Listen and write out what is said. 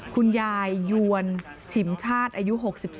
คุณยายยวนฉิมชาติอายุ๖๒